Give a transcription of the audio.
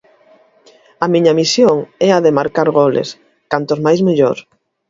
A miña misión é a de marcar goles, cantos máis mellor.